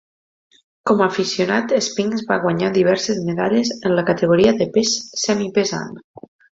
Com a aficionat, Spinks va guanyar diverses medalles en la categoria de pes semipesant.